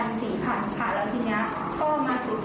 ทำไปเรื่อยจนได้เงินหลัก๓๐๐๐๔๐๐๐บาทแล้วทีนี้ก็มาถึง